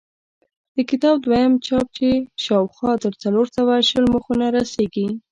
د کتاب دویم چاپ چې شاوخوا تر څلور سوه شل مخونو رسېږي.